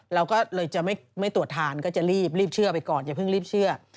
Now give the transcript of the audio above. เราก็เลยจะไม่ตรวจทานก็จะรีบเชื่อไปก่อนอย่าเพิ่งรีบเชื่อ